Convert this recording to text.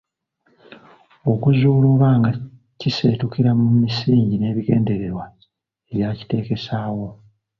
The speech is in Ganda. Okuzuula oba nga kiseetukira mu misingi n’ebigendererwa ebyakiteekesaawo.